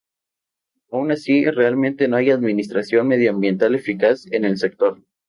Aun así, realmente no hay administración medioambiental eficaz en el sector.